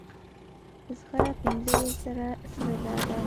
زغره پنځه ویشت زره سره زر ده.